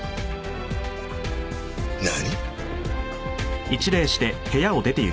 何？